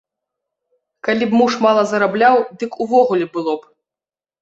Калі б муж мала зарабляў, дык увогуле было б!